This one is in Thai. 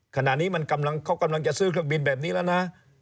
ขณะนี้เขากำลังจะซื้อเครื่องบินแบบนี้แล้วนะ